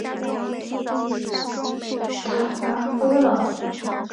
塔巴波朗是巴西马托格罗索州的一个市镇。